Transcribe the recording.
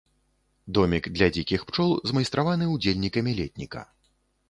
Домік для дзікіх пчол, змайстраваны ўдзельнікамі летніка.